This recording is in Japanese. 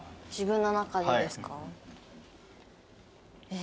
え？